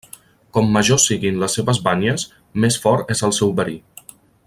Com majors siguin les seves banyes, més fort és el seu verí.